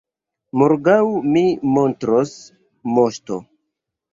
Morgaŭ mi montros, moŝto!